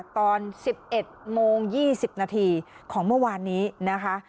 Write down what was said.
ตอน๑๑โมง๒๐นาทีของเมื่อวานนี้นะคะ